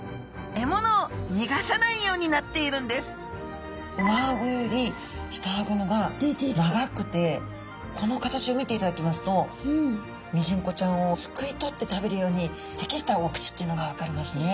獲物をにがさないようになっているんです上あごより下あごの方が長くてこの形を見ていただきますとミジンコちゃんをすくい取って食べるように適したお口っていうのが分かりますね。